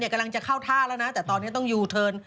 กำลังจะเข้าท่าแล้วนะแต่ตอนนี้ต้องยูเทิร์น